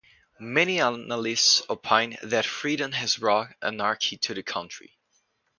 Many analysts opine that freedom has brought anarchy to the country.